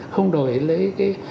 không đổi lấy cái